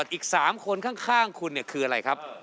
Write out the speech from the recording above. อีก๓คนข้างคุณคืออะไรครับ